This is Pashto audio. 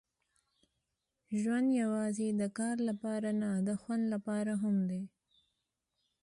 ژوند یوازې د کار لپاره نه، د خوند لپاره هم دی.